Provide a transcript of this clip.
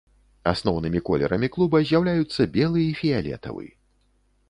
Асноўнымі колерамі клуба з'яўляюцца белы і фіялетавы.